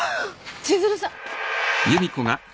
千鶴さん。